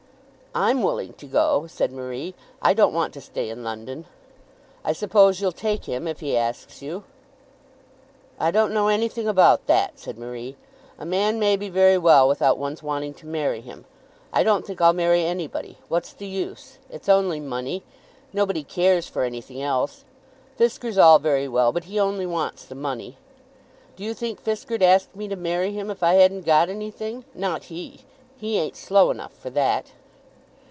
"I'm willing to go," said Marie. "I don't want to stay in London." "I suppose you'll take him if he asks you?" "I don't know anything about that," said Marie. "A man may be very well without one's wanting to marry him. I don't think I'll marry anybody. What's the use? It's only money. Nobody cares for anything else. Fisker's all very well; but he only wants the money. Do you think Fisker'd ask me to marry him if I hadn't got anything? Not he! He ain't slow enough for that."